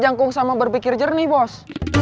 jangkung sama berpikir jernih bos